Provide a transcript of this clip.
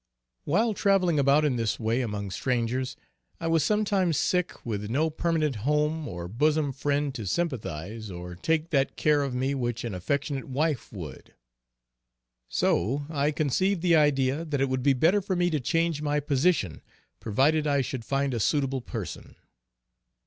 While traveling about in this way among strangers, I was sometimes sick, with no permanent home, or bosom friend to sympathise or take that care of me which an affectionate wife would. So I conceived the idea that it would be better for me to change my position, provided I should find a suitable person.